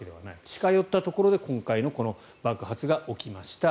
近寄ったところで今回のこの爆発が起きました。